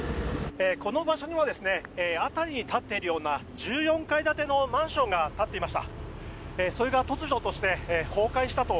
この場所には辺りに立っているような１４階建てのマンションが立っていました。